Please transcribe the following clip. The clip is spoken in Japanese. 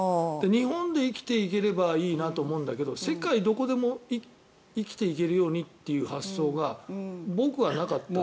日本で生きていければいいなと思うんだけど世界どこでも生きていけるようにという発想が僕はなかった。